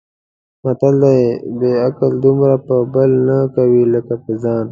متل دی: بې عقل دومره په بل نه کوي لکه په ځان.